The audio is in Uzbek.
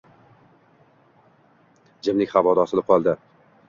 jimlik havoda osilib qoldi.